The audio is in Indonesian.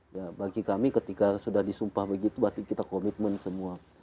ya bagi kami ketika sudah disumpah begitu berarti kita komitmen semua